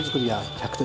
１００点？